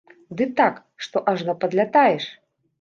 Ды так, што ажно падлятаеш!